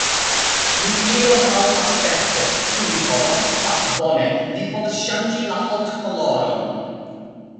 Mi iros al Aspekto. Ĉu mi povas... ha bone! Vi povas ŝanĝi la haŭtkoloron.